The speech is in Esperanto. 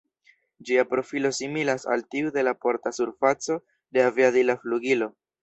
Ĝia profilo similas al tiu de la porta surfaco de aviadila flugilo.